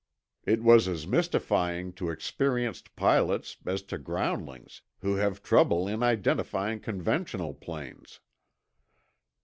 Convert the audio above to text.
It was as mystifying to experienced pilots as to groundlings who have trouble in identifying conventional planes.